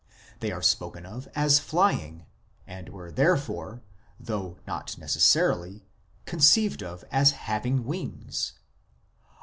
They are spoken of as flying, and were therefore, though not necessarily, conceived of as having wings.